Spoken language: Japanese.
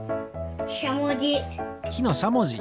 しゃもじ。